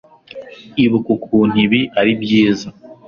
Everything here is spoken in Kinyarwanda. ibuka ukuntu ibi ari byiza